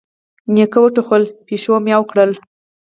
نيکه وټوخل، پيشو ميو کړل.